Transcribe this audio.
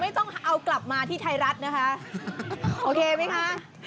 ไม่ต้องเอากลับมาที่ไทยรัฐนะคะ